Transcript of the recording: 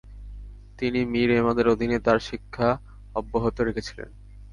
তিনি মীর এমাদের অধীনে তার শিক্ষা অব্যাহত রেখেছিলেন।